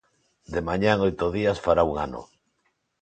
De mañá en oito días fará un ano.